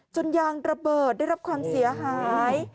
ยางระเบิดได้รับความเสียหาย